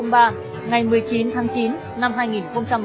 ngày một mươi chín tháng chín năm hai nghìn một mươi chín